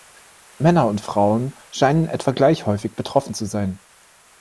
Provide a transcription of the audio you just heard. Männer und Frauen scheinen etwa gleich häufig betroffen zu sein.